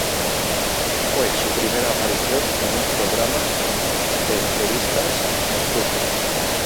Fue su primera aparición en un programa de entrevistas nocturno.